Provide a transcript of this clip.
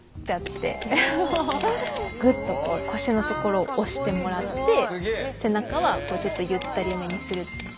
グッとこう腰のところを押してもらって背中はちょっとゆったりめにする。